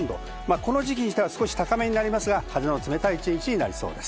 この時期としては高めになりそうですが、風の冷たい一日となりそうです。